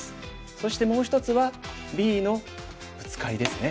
そしてもう１つはＢのブツカリですね。